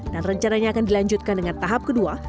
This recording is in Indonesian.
dan rencananya akan dilanjutkan dengan tahap kedua